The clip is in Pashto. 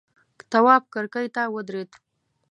تواب کرکۍ ته ودرېد.